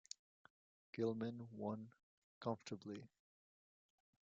Gilman won comfortably.